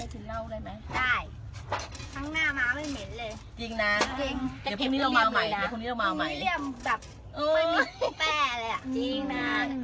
อันที่สุดท้ายก็คืออันที่สุดท้ายก็คืออั